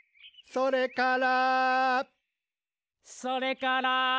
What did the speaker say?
「それから」